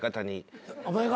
お前が？